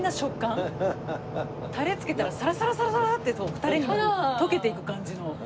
タレつけたらサラサラサラサラってタレに溶けていく感じの。